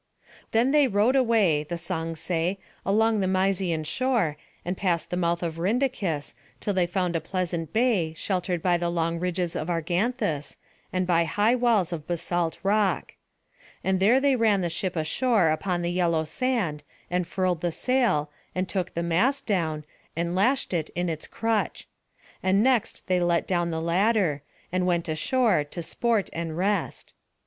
Then they rowed away, the songs say, along the Mysian shore, and past the mouth of Rhindacus, till they found a pleasant bay, sheltered by the long ridges of Arganthus, and by high walls of basalt rock. And there they ran the ship ashore upon the yellow sand, and furled the sail, and took the mast down, and lashed it in its crutch. And next they let down the ladder, and went ashore to sport and rest.